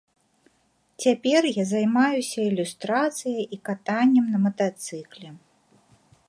Цяпер я займаюся ілюстрацыяй і катаннем на матацыкле.